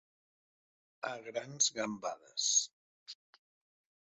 A grans gambades.